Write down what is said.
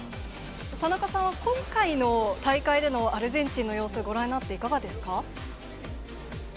田中さんは、今回の大会でのアルゼンチンの様子、ご覧になっていかがですか。